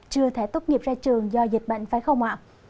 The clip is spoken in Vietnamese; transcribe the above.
chưa thể tốt nghiệp ra trường do dịch bệnh phải không ạ